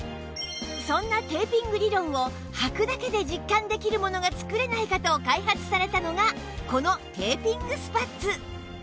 そんなテーピング理論をはくだけで実感できるものが作れないかと開発されたのがこのテーピングスパッツ